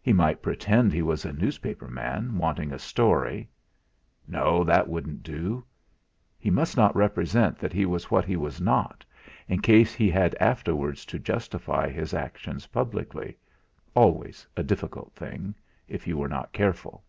He might pretend he was a newspaper man wanting a story. No, that wouldn't do! He must not represent that he was what he was not, in case he had afterwards to justify his actions publicly, always a difficult thing, if you were not careful!